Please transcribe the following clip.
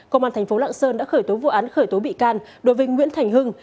công an thành phố lạng sơn đã khởi tố vụ án khởi tố bị can đối với nguyễn thành hưng